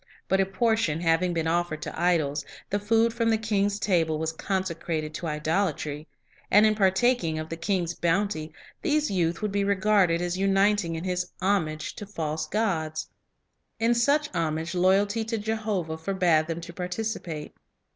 But a portion having been offered to idols, the food from the king's table was consecrated to idolatry; and in partaking of the king's bounty these youth would be regarded as uniting in his homage to false gods. In such homage loyalty to Jehovah forbade them to participate.